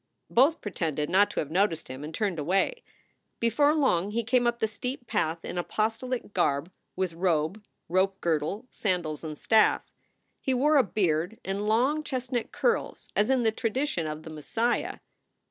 Both pretended not to have noticed him and turned away. Before long he came up the steep path in apostolic garb with robe, rope girdle, sandals, and staff. He wore a beard and long chestnut curls as in the tradition of the Messiah.